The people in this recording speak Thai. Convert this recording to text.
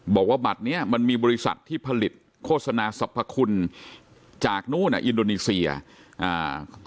บอกว่าบัตรเนี้ยมันมีบริษัทที่ผลิตโฆษณาสรรพคุณจากนู้นอ่ะอินโดนีเซียอ่า